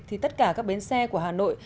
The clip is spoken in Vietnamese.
thì tất cả các bến xe của hà nội